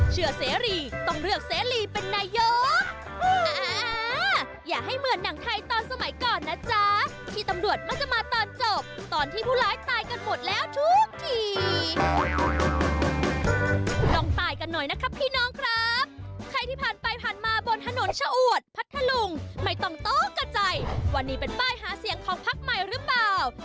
เชื่อเสรีต้องเลือกเสรีเป็นนายเยอะ